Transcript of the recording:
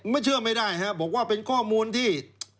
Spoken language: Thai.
ไม่เชื่อไม่ได้ครับบอกว่าเป็นข้อมูลที่